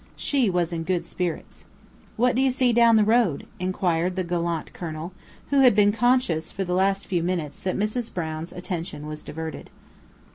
She was in good spirits. "What do you see down the road?" inquired the gallant Colonel, who had been conscious, for the last few minutes, that Mrs. Brown's attention was diverted.